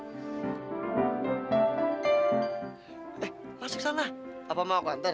eh masuk sana apa mau aku hantar